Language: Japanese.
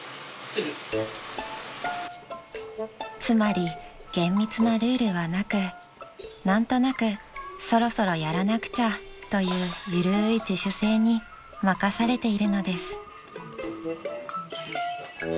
［つまり厳密なルールはなく何となく「そろそろやらなくちゃ」という緩い自主性に任されているのです］